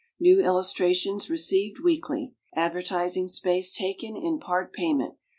New illustrations received weekly. Advertising space taken in part payment.